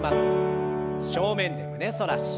正面で胸反らし。